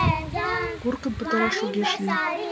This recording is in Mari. Курыкым пытараш огеш лий.